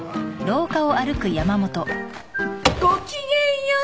ごきげんよう！